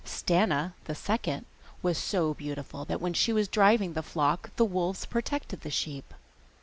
Stana, the second, was so beautiful that when she was driving the flock the wolves protected the sheep.